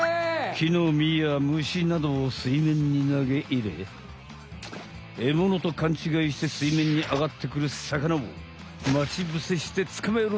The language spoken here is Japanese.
木の実や虫などを水面に投げ入れえものとかんちがいして水面に上がってくる魚をまちぶせしてつかまえる！